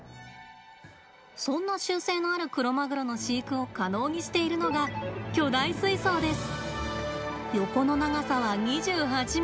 そんな習性のあるクロマグロの飼育を可能にしているのが巨大水槽です。